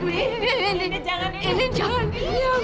dewi ini jangan